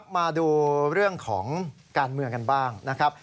มาดูเรื่องของการเมืองกันบ้างนะครับ